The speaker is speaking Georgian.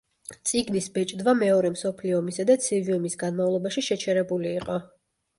წიგნის ბეჭდვა მეორე მსოფლიო ომისა და ცივი ომის განმავლობაში შეჩერებული იყო.